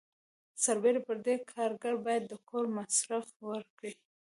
سربیره پر دې کارګر باید د کور مصرف ورکړي.